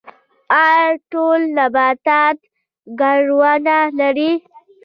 ایا ټول نباتات ګلونه لري؟